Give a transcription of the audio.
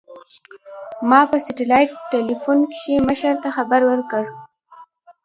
ما په سټلايټ ټېلفون کښې مشر ته خبر ورکړ.